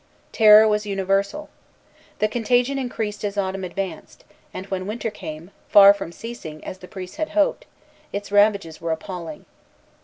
Terror was universal. The contagion increased as autumn advanced; and when winter came, far from ceasing, as the priests had hoped, its ravages were appalling.